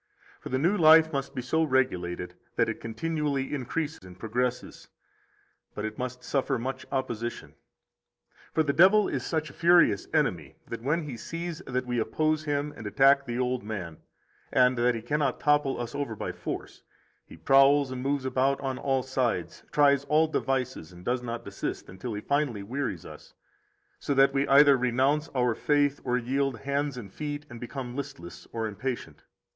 25 For the new life must be so regulated that it continually increase and progress; 26 but it must suffer much opposition. For the devil is such a furious enemy that when he sees that we oppose him and attack the old man, and that he cannot topple us over by force, he prowls and moves about on all sides, tries all devices, and does not desist, until he finally wearies us, so that we either renounce our faith or yield hands and feet and become listless or impatient.